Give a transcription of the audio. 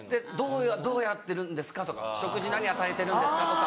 「どうやってるんですか？」とか「食事何与えてるんですか？」とか。